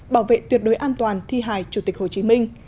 bảo vệ tuyệt đối an toàn thi hài chủ tịch hồ chí minh